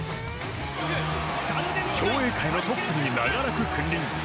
競泳界のトップに長らく君臨。